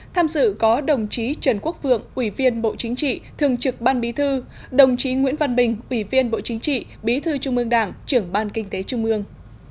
tham dự có đồng chí trần quốc vượng ủy viên bộ chính trị thường trực ban bí thư đồng chí nguyễn văn bình ủy viên bộ chính trị bí thư trung ương đảng trưởng ban kinh tế trung ương